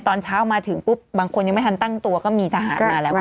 ตอนเช้ามาถึงปุ๊บบางคนยังไม่ทันตั้งตัวก็มีทหารมาแล้วค่ะ